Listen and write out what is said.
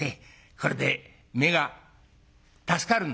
これで目が助かるんだ」。